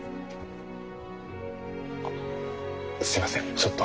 すいませんちょっと。